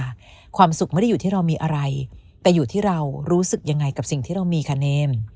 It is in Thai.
ความสุขไม่ได้อยู่ที่เรามีอะไรแต่อยู่ที่เรารู้สึกยังไงกับสิ่งที่เรามีค่ะเนม